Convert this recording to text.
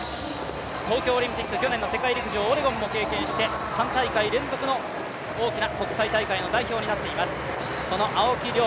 東京オリンピック、去年の世界陸上、オレゴンも経験して、３大会連続の大きな国際大会の代表になっています。